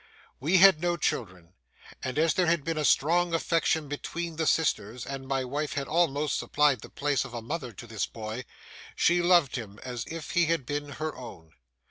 We had no children; and as there had been a strong affection between the sisters, and my wife had almost supplied the place of a mother to this boy, she loved him as if he had been her own.